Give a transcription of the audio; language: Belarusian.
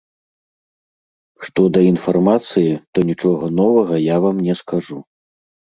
Што да інфармацыі, то нічога новага я вам не скажу.